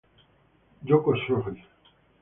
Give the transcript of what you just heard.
Yoko Shoji